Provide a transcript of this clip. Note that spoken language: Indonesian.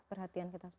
perhatian kita semua